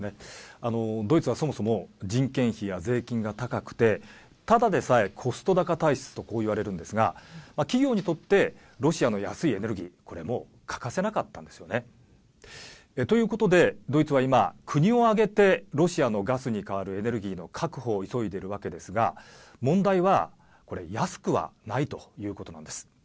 あのドイツはそもそも人件費や税金が高くてただでさえ、コスト高体質とこう言われるんですが企業にとってロシアの安いエネルギーこれもう欠かせなかったんですよね。ということでドイツは今、国を挙げてロシアのガスに代わるエネルギーの確保を急いでいるわけですが問題はこれ安くはないということなんです。